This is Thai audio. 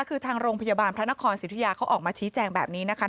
คือทางโรงพยาบาลพระนครสิทธิยาเขาออกมาชี้แจงแบบนี้นะคะ